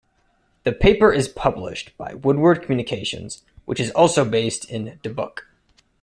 The paper is published by Woodward Communications, which is also based in Dubuque.